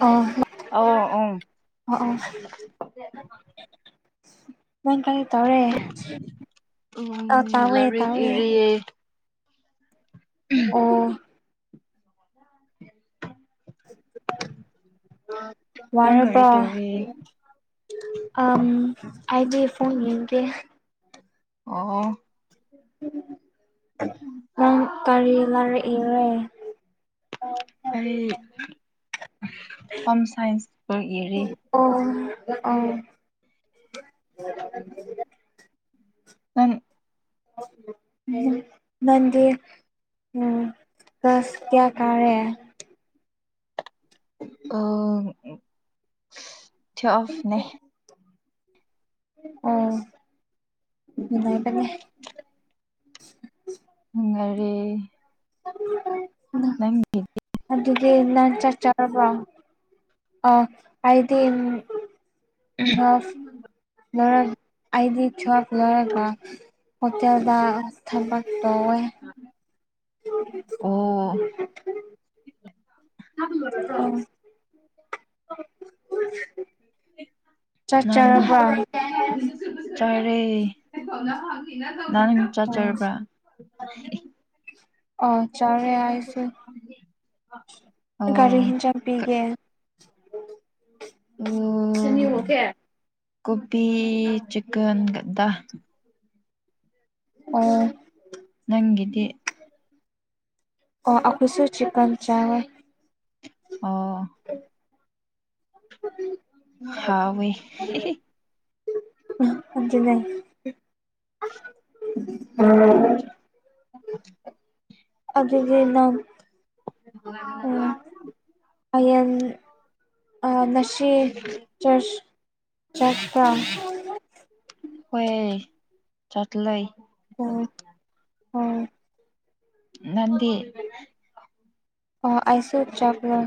ꯑꯣ ꯑ ꯑꯣ ꯑꯣ [unintelligible] ꯇꯧꯔꯦ ꯑ ꯎꯝ ꯇꯥꯎꯋꯦ ꯂꯥꯏꯔꯤꯛ ꯇꯥꯎꯋꯦ ꯏꯔꯤꯌꯦ ꯑꯣ ꯅꯪ ꯋꯥꯔꯔꯕ ꯀꯔꯤ ꯇꯧꯔꯤ ꯑ ꯑꯩꯗꯤ ꯐꯣꯟꯣꯟ ꯌꯦꯦ ꯑꯣ ꯅꯪ ꯀꯔꯤ ꯂꯔꯛꯏꯔꯦ ꯑꯩ ꯍꯣꯝ ꯁꯥꯏꯟꯁꯀ ꯌꯦꯔꯤ ꯑꯣ ꯑ [unintelligible] [unintelligible] ꯎꯝ ꯅꯪꯒꯤ ꯎꯝ ꯁ ꯀꯌꯥ ꯀꯥꯔꯦ ꯑ ꯊ ꯑꯣꯐꯅꯦ ꯑꯣ ꯑꯗꯨꯇꯅꯦ ꯅꯨꯡꯉꯥꯏꯔꯤ [inaudible] ꯅꯪ [unintelligible] ꯑꯗꯨꯒꯤ ꯅꯪ ꯆꯠ ꯆꯔꯕ꯭ꯔꯣ ꯑ ꯑꯩꯗꯤ ꯊꯣꯞꯔ ꯑꯩꯗꯤ ꯊꯣꯞ ꯂꯧꯔꯒ ꯍꯣꯇꯦꯜꯗ ꯊꯕꯛ ꯇꯧꯋꯦ ꯑꯣ [unintelligible] ꯑꯣ ꯅꯪ ꯆꯔꯦ ꯅ ꯑꯣ ꯆꯠꯆꯔꯕ꯭ꯔ ꯑ ꯆꯔꯔꯦꯁꯤ ꯔꯤ ꯑꯣ ꯍꯖ ꯄꯤꯒꯦ ꯆꯅꯤ ꯑꯣꯀꯦ ꯀꯣꯕꯤꯤ ꯆꯛꯟꯒꯗ ꯑꯣ ꯅꯪꯒꯤꯗꯤ ꯑꯣ ꯑꯩꯈꯣꯏꯁꯨ ꯆꯛꯟ ꯆꯦꯜ ꯑꯣ ꯍꯥꯎꯋꯤ ꯂꯩ ꯎꯝ ꯎ ꯑꯗꯨꯗꯒꯤ ꯅꯪ [unintelligible] ꯑꯌꯦꯜ ꯑ ꯅꯁꯤ ꯆꯆ ꯆꯀ ꯍꯣꯏ ꯆꯠꯂ ꯍ ꯅꯗꯤꯤ ꯑ ꯑꯁꯨ ꯆꯒꯂ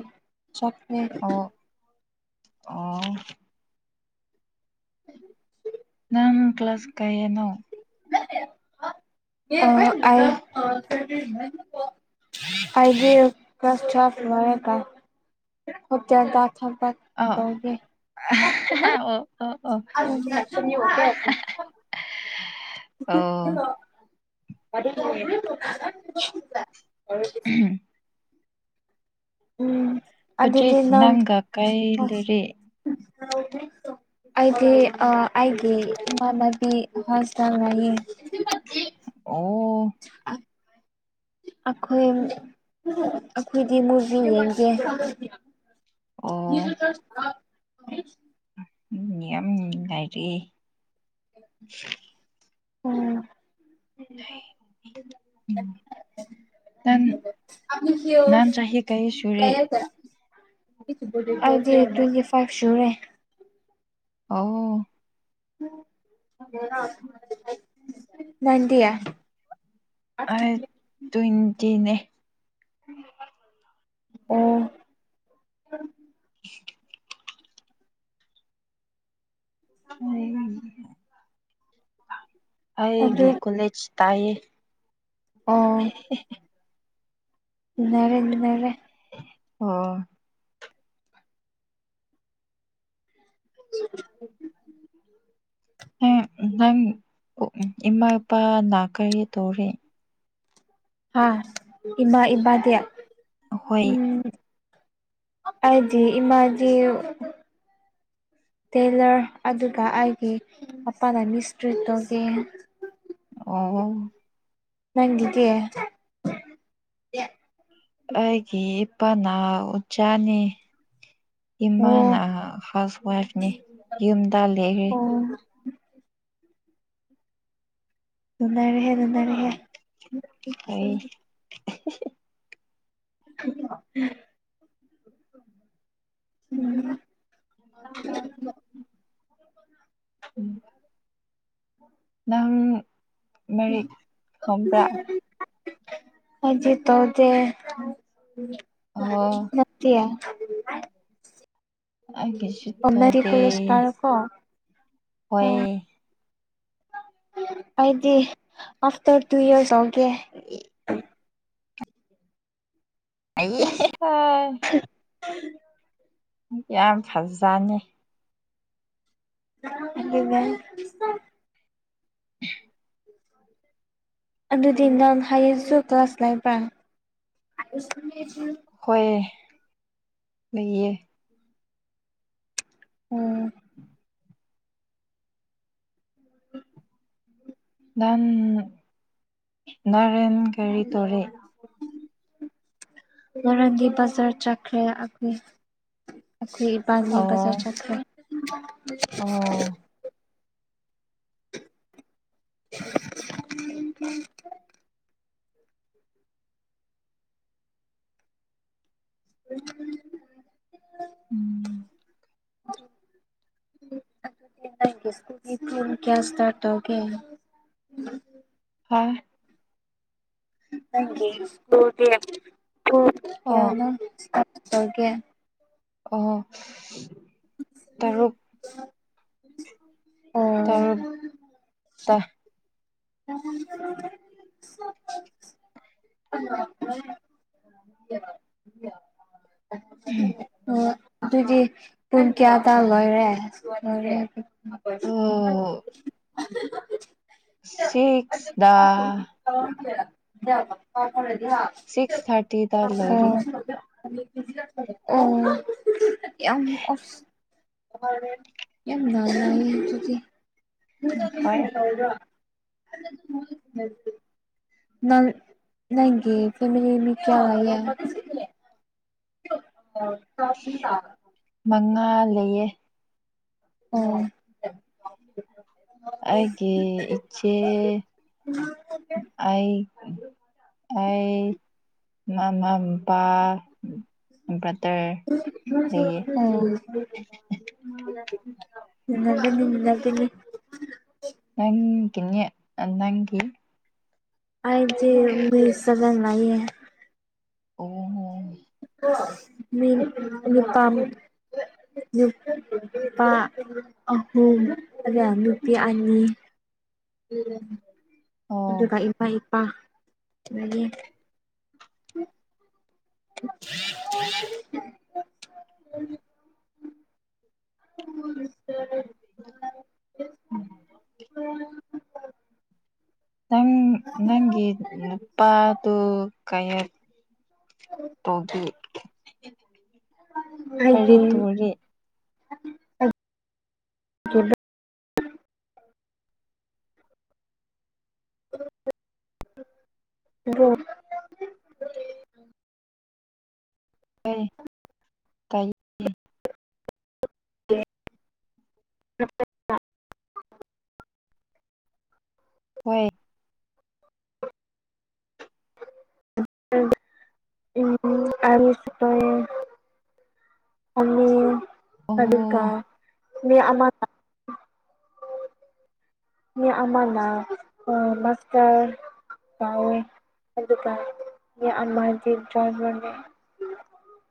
ꯆꯅꯦ ꯑꯣ ꯑꯣ ꯅꯥꯟ ꯀ꯭ꯂ ꯀ꯭ꯂꯥꯁ ꯀꯥꯏ ꯌꯦꯅꯣ [unintelligible] ꯑꯗꯤꯔ ꯑꯣ ꯑꯣ ꯑꯣ ꯑꯣ ꯦ ꯑꯣ [unintelligible] ꯎꯝ ꯑꯗꯨꯗꯤ ꯍꯧꯖꯤꯛ ꯅꯪ ꯅꯪꯒ ꯑꯁ ꯀꯥꯏꯂꯔꯦ ꯑꯩꯗꯤ ꯑ ꯑꯩꯒꯤ ꯃꯥꯃꯕꯤ ꯍ ꯆ ꯉꯌꯦ ꯑꯣ ꯑ ꯑꯩꯈꯣꯏ ꯑꯩꯈꯣꯏꯗꯤ ꯃꯨꯔꯕꯤ ꯌꯦꯡꯒꯦ ꯑꯣ ꯃꯤꯁꯨ ꯆ ꯎꯝ ꯌꯥꯝ ꯉꯥꯏꯔꯦ ꯎꯝ ꯎꯝ ꯎ ꯅꯥꯟ ꯅꯍꯥꯟ ꯆꯍꯤ ꯀꯩ ꯁꯨꯔꯦ ꯑꯩꯗꯤ ꯇ꯭ꯋꯦꯟꯇꯤ ꯐꯥꯏꯚ ꯁꯨꯔꯦ ꯑꯣ ꯅꯗꯤ ꯍꯥꯏ ꯇꯗꯤꯅꯦ ꯎꯝ [inaudible] ꯑꯗꯨ ꯑꯩꯒꯤ ꯀꯨꯂꯦꯖ ꯇꯥꯏꯌꯦ ꯑꯣ ꯎ [unintelligible] ꯑꯣ [inaudible] ꯅꯪ ꯏꯃꯥ ꯏꯄꯥ ꯅꯥ ꯀꯔꯤ ꯇꯧꯔꯤꯦ ꯍꯥ ꯏꯃꯥ ꯏꯕꯗꯤ ꯍꯣꯏ ꯎꯝ ꯑꯩꯗꯤ ꯏꯃꯗꯤ ꯇꯦꯂꯔ ꯑꯗꯨꯒ ꯑꯩꯒꯤ ꯃꯄꯥꯥꯟ ꯃꯤꯁꯇ꯭ꯔꯤ ꯇꯨꯒꯤ ꯑꯣ ꯅꯪꯒꯤꯗꯤ ꯑꯩꯒꯤ ꯏꯄꯥꯅ ꯑꯣꯖꯥꯅꯤ ꯏꯃꯥꯅ ꯍꯥꯎꯁ ꯋꯥꯏꯐꯅꯤ ꯌꯨꯝꯗ ꯂꯩꯈ꯭ꯔꯦ ꯑꯣ ꯅꯔꯦꯍꯦ ꯇꯅꯔꯍꯦ ꯍ [unintelligible] [inaudible] ꯎꯝ ꯅꯪ ꯃꯔꯤꯛ ꯍꯣꯕ꯭ꯔꯥ ꯍꯥꯏꯖꯤ ꯇꯣꯗꯤ ꯑꯣ ꯉꯠꯇꯌꯥ ꯑꯩꯒꯤ [unintelligible] ꯑꯣ ꯍꯣꯏ ꯑꯩꯗꯤ ꯑꯐꯇꯔ ꯇꯨ ꯌꯔꯁ ꯇꯧꯒꯦ ꯑꯩ [unintelligible] ꯌꯥꯝ ꯐꯖꯅꯤ ꯑꯗꯨꯅ [inaudible] ꯑꯗꯨꯗꯤ ꯅꯪ ꯍꯥꯏꯌꯦꯡꯁꯨ ꯀ꯭ꯂꯥꯁ ꯂꯩꯕ꯭ꯔꯥ ꯍꯣꯏ ꯂꯩꯌꯦ ꯎꯝ ꯅꯟ ꯅꯔꯦꯟ ꯀꯔꯤ ꯇꯣꯔꯤ ꯉꯔꯥꯡꯒꯤ ꯕꯖꯥꯔ ꯆꯠꯈ꯭ꯔꯦ ꯑꯏ ꯑꯩꯈꯣꯏ ꯏꯄꯥꯗꯤ ꯕꯥꯖꯥꯔ ꯑꯣ ꯆꯠꯈ꯭ꯔꯦ ꯑꯣ [inaudible] ꯎꯝ ꯇ ꯀꯌꯥ ꯀ꯭ꯂꯥꯁꯇꯥ ꯇꯧꯒꯦ ꯍꯣꯏ ꯑꯣ [unintelligible] ꯑꯣ ꯇꯔꯨꯛ [inaudible] ꯑꯣ ꯇꯔꯨꯛꯇ [unintelligible] ꯑꯣ ꯑꯗꯨꯗꯤ ꯄꯨꯡ ꯀꯌꯥꯗ ꯂꯣꯏꯔꯦ ꯂꯣꯏꯔꯦ ꯑꯣ ꯁꯤꯛꯁꯗꯥ [unintelligible] ꯁꯤꯛꯁ ꯊꯔꯇꯤ ꯑꯣ ꯑꯣ ꯌꯥꯝ ꯀ ꯂꯅꯛꯇꯤ ꯍꯣꯏ [unintelligible] ꯅ ꯅꯒꯦ ꯐꯃꯤꯃꯤ ꯀꯌꯥ ꯌꯥ ꯆ ꯇ ꯃꯉꯥ ꯂꯩꯌꯦ ꯑꯣ ꯑꯩꯒꯤꯦ ꯏꯆꯦ ꯑꯩ ꯑꯩ ꯃꯃꯥ ꯃꯄꯥ ꯌꯥꯝꯝꯕꯠꯇꯔ ꯂꯩꯌꯦ ꯑꯣ ꯟꯅꯗꯅꯤ ꯅꯤꯡꯟꯅꯗꯅꯤ ꯅꯪꯒꯤꯅꯤ ꯅꯪꯒꯤꯤ ꯑꯥꯏꯗꯤꯦ ꯃꯤ ꯁꯒꯅ ꯂꯩꯌꯦꯦ ꯑꯣ ꯃꯤ ꯅꯨꯄꯥꯃꯤ ꯅꯨ ꯅꯨꯄꯥ ꯑꯍꯨꯝ ꯑꯗꯨꯒ ꯅꯨꯄꯤ ꯑꯅꯤ ꯑꯣ ꯑꯗꯨꯒ ꯏꯃꯥ ꯏꯄꯥꯒꯤ ꯎꯝ [inaudible] [unintelligible] [inaudible] ꯅꯪ ꯅꯪꯒꯤ ꯅꯨꯄꯥꯗꯨꯣ ꯀꯌꯥꯠ ꯇ ꯀꯔꯤ ꯑꯩꯒꯤ ꯇꯣꯔꯤ [unintelligible] [unintelligible] ꯀꯩ [inaudible] ꯍꯣꯏ [unintelligible] ꯑꯃꯤ ꯑꯣ ꯇꯔꯒ ꯃꯤ ꯑꯥ ꯃꯤ ꯑꯃꯃꯥꯟꯅ ꯃꯥꯁꯇꯔ ꯀꯥꯎꯋꯦ ꯑꯗꯨꯒꯃꯖꯤ ꯗ꯭ꯔꯥꯟꯔꯅꯦ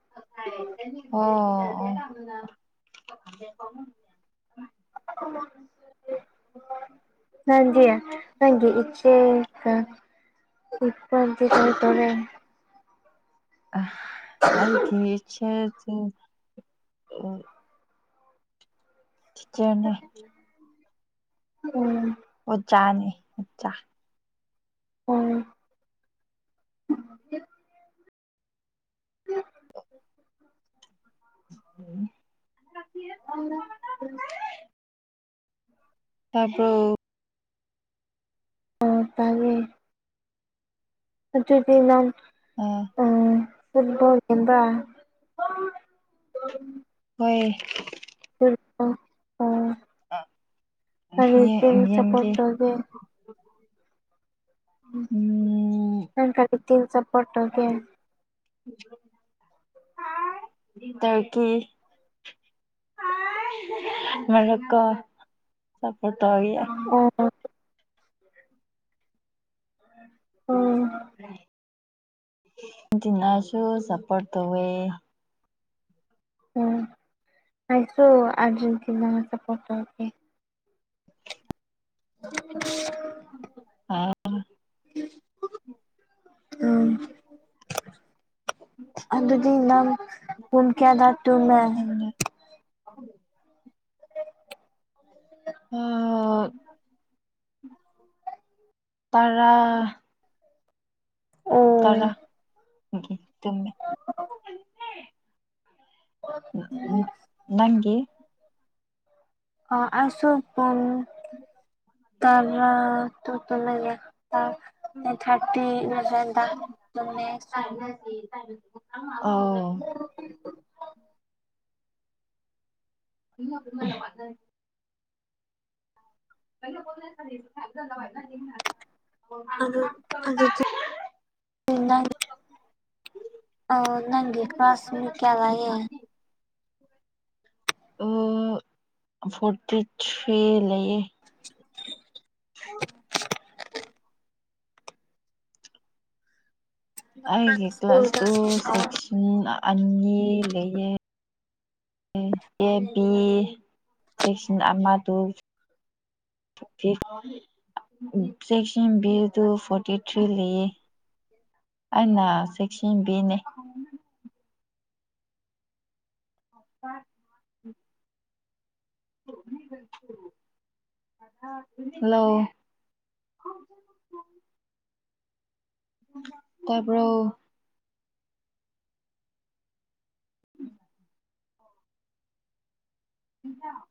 ꯑꯣ ꯑ ꯍꯖꯤ ꯍ ꯏꯆꯦ ꯎꯠꯄꯄꯥꯛꯀ ꯇꯣꯔꯦ ꯑ ꯑꯗꯒꯤꯦ ꯁꯤꯆꯦꯅꯦ ꯎꯝ ꯑꯣ ꯆꯥꯅꯤ ꯎꯝ ꯑꯣ ꯎꯝ [unintelligible] ꯇꯥꯕꯔꯣ ꯇꯔꯦ ꯑꯗꯨꯗꯤ ꯅ ꯎꯥ ꯎ ꯁꯤꯜꯕꯒꯕ ꯍꯣꯏ ꯔꯄ ꯀꯔꯤ ꯁꯄꯣ ꯌꯦꯡꯒꯦ ꯑꯣꯏꯧꯒ ꯎꯝ ꯎꯝ ꯀꯥꯟ ꯀꯔꯤꯇꯦꯅ ꯁꯄꯣꯠ ꯇꯧꯒꯦ ꯇꯔꯀꯤ ꯃ ꯂꯀ ꯁꯄꯣꯔ ꯇ ꯍꯒꯦ ꯑꯣ [unintelligible] [unintelligible] ꯎꯝ ꯗꯤꯅꯥꯁꯨ ꯁꯄꯠ ꯇꯧꯋꯦ ꯎꯝ ꯑꯥꯏꯁꯨ ꯑꯔꯖꯦꯟꯇꯤꯅꯥ ꯁꯄꯣꯠ ꯇꯧ ꯑꯦ [unintelligible] ꯑꯥ ꯑꯝ ꯑꯗꯨꯗꯤ ꯅꯪ ꯄꯨꯡ ꯀꯌꯥꯗ ꯇꯨꯃꯦ ꯑꯩꯅ [unintelligible] [unintelligible] ꯇꯔꯥ ꯑꯣ ꯇꯔꯥ ꯆꯨꯝꯃꯦ ꯅꯪꯒꯤ ꯑ ꯑꯁꯨꯣ ꯄꯨꯨꯡ ꯇꯔꯥ [unintelligible] ꯊꯥꯔꯇꯤ ꯅꯗ ꯑꯗꯨꯁꯨꯣ ꯁ [unintelligible] ꯑꯣ [unintelligible] ꯀꯩꯅꯣꯅ [unintelligible] ꯑꯗꯨ ꯑꯗꯨ [unintelligible] ꯑ ꯅꯪꯒꯤ ꯀ꯭ꯂꯥꯁꯃꯤ ꯀꯌꯥ ꯂꯩꯌꯦ ꯑꯣ ꯐꯣꯔꯇꯤ ꯊꯤ ꯂꯩꯌꯦ [unintelligible] ꯑꯩꯒꯤ ꯀ꯭ꯂꯥꯁ ꯁ꯭ꯀꯨꯜꯗ ꯇꯨ ꯑꯣ ꯁꯦꯛꯁꯟ ꯑꯅꯤ ꯂꯩꯌꯦ ꯑꯦꯕꯤ ꯆꯦꯛꯁꯤꯟ ꯑꯃꯗꯨ ꯆꯦꯛꯁꯤꯟꯕꯤꯗꯨ ꯐꯣꯔꯇꯤ ꯊ꯭ꯔꯤ ꯂꯩꯌꯦ ꯑꯩꯅ ꯆꯦꯛꯁꯤꯝ ꯕꯤꯅꯦ [unintelligible] ꯍꯜꯂꯣ ꯇꯥꯕꯔꯣ [unintelligible]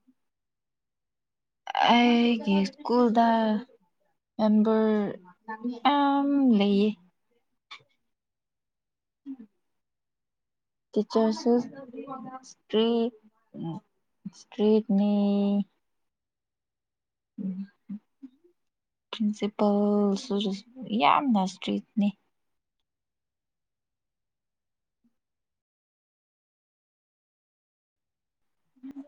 ꯑꯩꯒꯤ ꯁ꯭ꯀꯨꯜꯗ ꯃꯦꯝꯕꯔ ꯃꯌꯥꯝ ꯂꯩꯌꯦ ꯎꯝ ꯇꯤꯆꯔꯁꯨ ꯏꯁꯇꯔꯤ ꯏꯁꯇ꯭ꯔꯤꯠꯅꯤ ꯎ ꯄ꯭ꯔꯤꯟꯁꯤꯄꯜꯁꯨ ꯌꯥꯝꯅ ꯏꯁꯇ꯭ꯔꯤꯛꯅꯤ ꯎꯝ